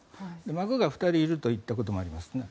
孫が２人いると言ったこともありますね。